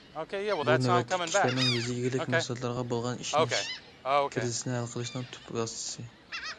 بۇ نۆۋەتتىكى كىشىلەرنىڭ يېزا ئىگىلىك مەھسۇلاتلىرىغا بولغان ئېشىنىش كىرىزىسىنى ھەل قىلىشنىڭ تۈپ ۋاسىتىسى.